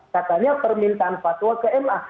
katanya permintaan fatwa ke ma